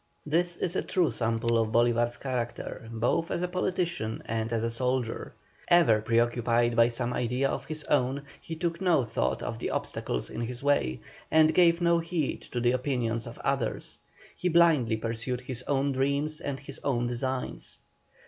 This is a true sample of Bolívar's character, both as a politician and as a soldier; ever pre occupied by some idea of his own, he took no thought of the obstacles in his way, and gave no heed to the opinions of others; he blindly pursued his own dreams and his own designs.